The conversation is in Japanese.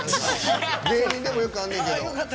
芸人でもあんねんけど。